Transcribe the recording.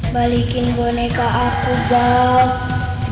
balikin boneka aku bob